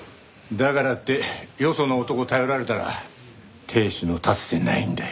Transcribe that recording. だからってよその男頼られたら亭主の立つ瀬ないんだよ。